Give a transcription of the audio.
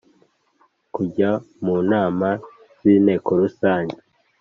kujya mu nama z Inteko Rusange